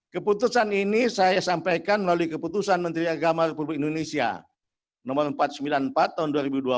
keputusan ini saya sampaikan melalui keputusan menteri agama republik indonesia no empat ratus sembilan puluh empat tahun dua ribu dua puluh